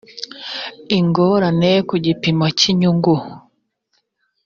ingorane ku gipimo cy inyungu